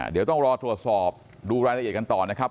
เดี๋ยวต้องรอตรวจสอบดูรายละเอียดกันต่อนะครับ